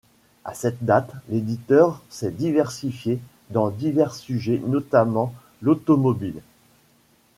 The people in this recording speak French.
À cette date, l’éditeur s’est diversifié dans divers sujet, notamment l’automobile.